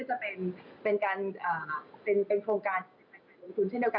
ซึ่งอันนี้ก็จะเป็นโครงการจัดจ่ายลงทุนเช่นเดียวกัน